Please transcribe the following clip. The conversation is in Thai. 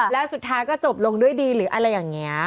แล้วสุดท้ายก็จบลงด้วยดีหรืออะไรอย่างนี้